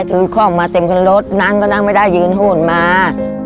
ซื้อข้อมมาเต็มกันรถนั่งก็นั่งไม่ได้ยืนห้วนมา